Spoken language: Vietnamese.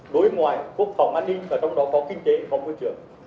đối ngoại quốc phòng an ninh và trong đó có kinh tế phòng môi trường